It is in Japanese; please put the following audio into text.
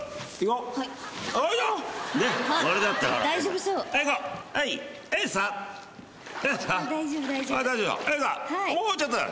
もうちょっとだ。